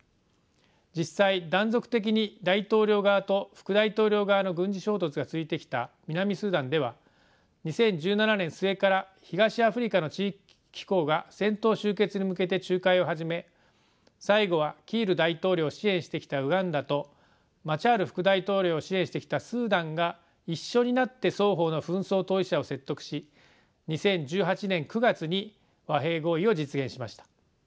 実際断続的に大統領側と副大統領側の軍事衝突が続いてきた南スーダンでは２０１７年末から東アフリカの地域機構が戦闘終結に向けて仲介を始め最後はキール大統領を支援してきたウガンダとマシャール副大統領を支援してきたスーダンが一緒になって双方の紛争当事者を説得し２０１８年９月に和平合意を実現しました。